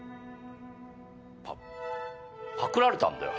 パパクられたんだよ